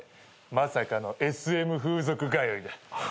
まさかのＳＭ風俗通いだ。